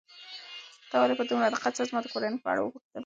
تا ولې په دومره دقت سره زما د کورنۍ په اړه وپوښتل؟